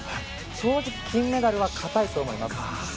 正直、金メダルは堅いと思います。